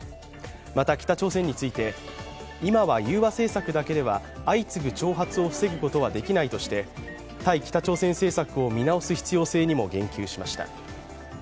また、北朝鮮について、今は融和政策だけでは相次ぐ挑発を防ぐことはできないとして対北朝鮮政策を見直す必要性にも言及しました。